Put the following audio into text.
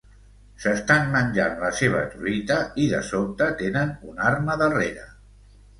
S'estan menjant la seva truita i de sobte tenen una arma darrere.